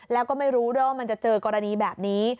แล้วก็ไม่รู้ด้วยว่ามันจะเจอกรณีแบบนี้